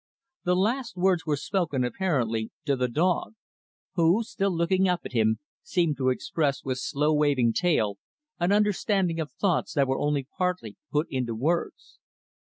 The last words were spoken, apparently, to the dog; who, still looking up at him, seemed to express with slow waving tail, an understanding of thoughts that were only partly put into words.